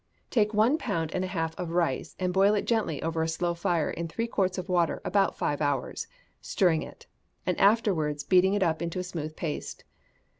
Take one pound and a half of rice, and boil it gently over a slow fire in three quarts of water about five hours, stirring it, and afterwards beating it up into a smooth paste.